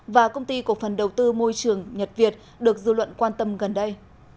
và công ty cổ phần đầu tư môi trường nhật việt được dư luận quan tâm gần đây